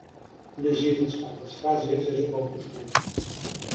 Llegir unes quantes frases és un bom costum.